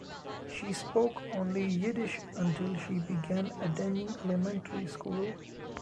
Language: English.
She spoke only Yiddish until she began attending elementary school.